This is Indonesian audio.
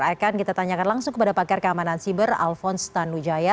akan kita tanyakan langsung kepada pakar keamanan siber alphonse tanujaya